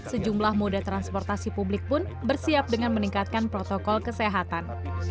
sejumlah moda transportasi publik pun bersiap dengan meningkatkan protokol kesehatan